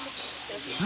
何？